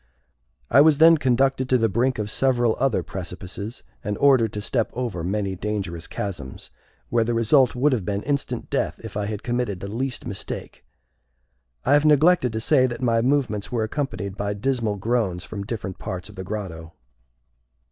I was then conducted to the brink of several other precipices, and ordered to step over many dangerous chasms, where the result would have been instant death if I had committed the least mistake. I have neglected to say that my movements were accompanied by dismal groans from different parts of the grotto.